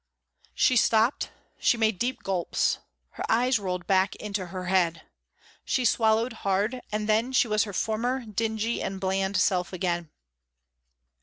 She stopped, she made deep gulps, her eyes rolled back into her head, she swallowed hard and then she was her former dingy and bland self again.